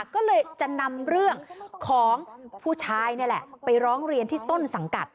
ก็เลยจะนำเรื่องของผู้ชายนี่แหละไปร้องเรียนที่ต้นสังกัด